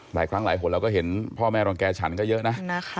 หลายครั้งหลายคนเราก็เห็นพ่อแม่รังแก่ฉันก็เยอะนะ